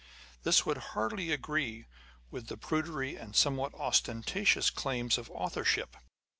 This would hardly agree with the prudery, and somewhat ostentatious claims of authorship.